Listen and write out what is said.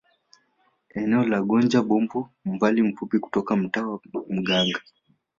Eneo la Gonja Bombo umbali mfupi kutoka mtaa wa Manganga